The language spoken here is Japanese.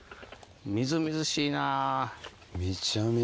みずみずしいな。